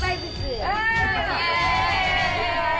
イエーイ！